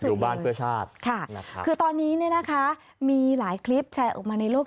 หรือบ้านไฟชาติค่ะคือตอนนี้เนี่ยนะคะมีหลายคลิปแชร์ออกมาในโลก